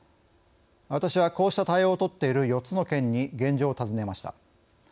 私は、こうした対応を取っている４つの県に現状を尋ねました。